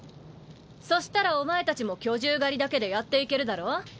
そしたらお前たちも巨獣狩りだけでやっていけるだろ？